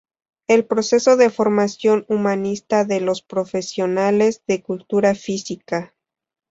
El proceso de formación humanista de los profesionales de Cultura Física.